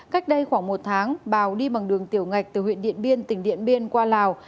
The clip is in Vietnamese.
cách đây khoảng một tháng bào đi bằng đường tiểu ngạch từ huyện điện biên tỉnh điện biên qua lào